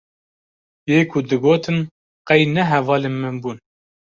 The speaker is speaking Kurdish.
yê ku digotin qey ne hevalê min bûn